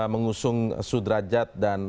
mengusung sudrajat dan